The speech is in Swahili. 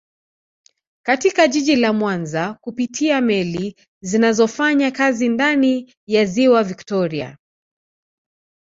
Katika jiji la Mwanza kupitia meli zinazofanya kazi ndani ya ziwa viktoria